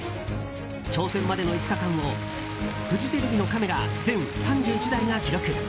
挑戦までの５日間をフジテレビのカメラ全３１台が記録。